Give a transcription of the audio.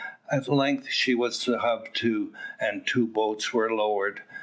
At length she was hove to, and two boats were lowered.